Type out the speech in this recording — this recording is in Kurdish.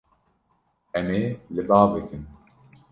Em ê li ba bikin.